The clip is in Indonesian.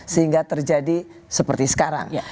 sehingga terjadi seperti sekarang